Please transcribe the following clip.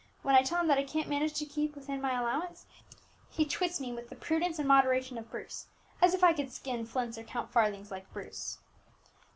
When I tell him that I can't manage to keep within my allowance, he twits me with the prudence and moderation of Bruce, as if I could skin flints or count farthings like Bruce."